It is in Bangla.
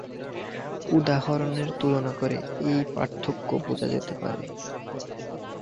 উদাহরণের তুলনা করে এই পার্থক্য বোঝা যেতে পারে।